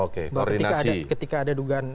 ketika ada dugaan